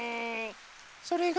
それが？